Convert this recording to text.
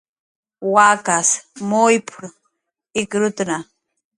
"Wakas muyp""r ikrutna"